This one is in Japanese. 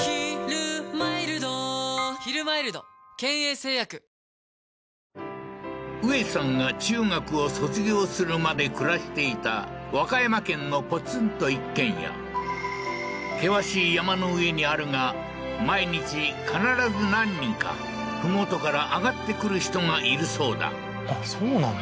その訳は宇恵さんが中学を卒業するまで暮らしていた和歌山県のポツンと一軒家険しい山の上にあるが毎日必ず何人か麓から上がって来る人がいるそうだあっそうなんだ？